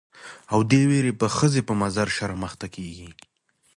او دې ويرې ښځه په مضر شرم اخته کړې ده.